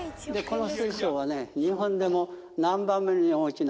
この水晶はね日本でも何番目に大きな。